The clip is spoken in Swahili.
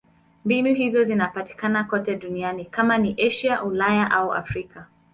Mbinu hizo zinapatikana kote duniani: kama ni Asia, Ulaya au Afrika.